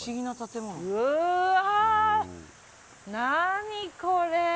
うわ、何これ。